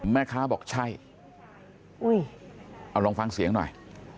แม่ค้าบอกใช่อุ้ยเอาลองฟังเสียงหน่อย